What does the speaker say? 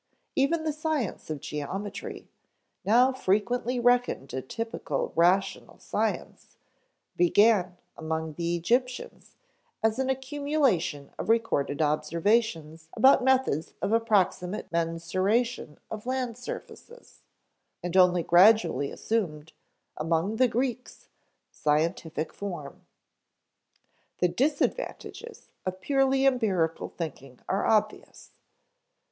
Even the science of geometry, now frequently reckoned a typical rational science, began, among the Egyptians, as an accumulation of recorded observations about methods of approximate mensuration of land surfaces; and only gradually assumed, among the Greeks, scientific form. The disadvantages of purely empirical thinking are obvious.